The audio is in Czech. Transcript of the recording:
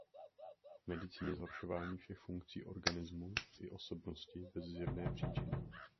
V medicíně zhoršování všech funkcí organismu i osobnosti bez zjevné příčiny.